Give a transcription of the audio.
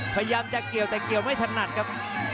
พยายามจะเกี่ยวแต่เกี่ยวไม่ถนัดครับ